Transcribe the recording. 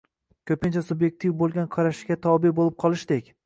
ko‘pincha sub’ektiv bo‘lgan qarashga tobe bo‘lib qolishdek